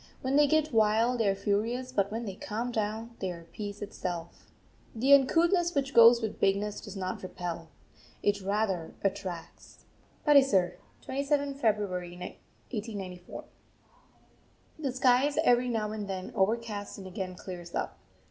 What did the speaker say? When they get wild they are furious, but when they calm down they are peace itself. The uncouthness which goes with bigness does not repel, it rather attracts. PATISAR, 27th February 1894. The sky is every now and then overcast and again clears up.